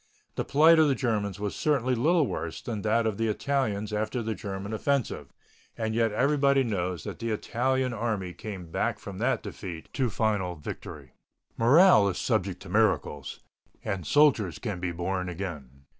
The plight of the Germans was certainly little worse than that of the Italians after the German offensive, and yet everybody knows that the Italian Army came back from that defeat to final victory. Morale is subject to miracles, and soldiers can be born again.